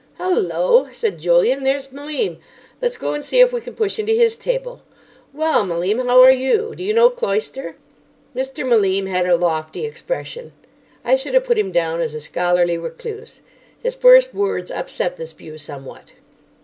"Hullo!" said Julian, "there's Malim. Let's go and see if we can push into his table. Well, Malim, how are you? Do you know Cloyster?" Mr. Malim had a lofty expression. I should have put him down as a scholarly recluse. His first words upset this view somewhat.